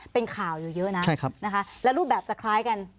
เป็นข่าวอยู่เยอะนะและรูปแบบจะคล้ายกัน